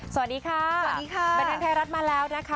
สวัสดีค่ะสวัสดีค่ะบรรเทิงไทยรัฐมาแล้วนะคะ